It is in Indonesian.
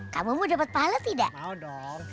kamu mau dapat pales tidak mau dong